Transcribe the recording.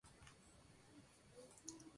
Dirección catastro de ensenada